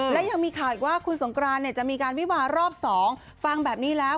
และยังมีข่าวอีกว่าคุณสงกรานเนี่ยจะมีการวิวารอบ๒ฟังแบบนี้แล้ว